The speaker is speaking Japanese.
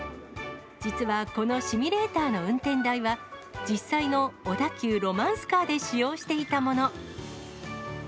実はこのシミュレーターの運転台は、実際の小田急ロマンスカーで使用していたもの。